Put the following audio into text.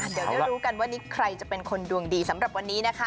เดี๋ยวได้รู้กันว่านี้ใครจะเป็นคนดวงดีสำหรับวันนี้นะคะ